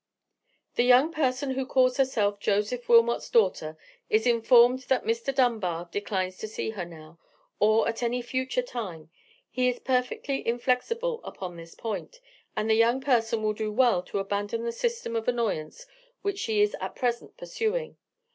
"_The young person who calls herself Joseph Wilmot's daughter is informed that Mr. Dunbar declines to see her now, or at any future time. He is perfectly inflexible upon this point; and the young person will do well to abandon the system of annoyance which she is at present pursuing.